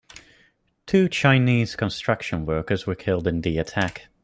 Two Chinese construction workers were killed in the attack.